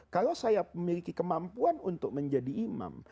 kalau saya memiliki kemampuan untuk menjadi imam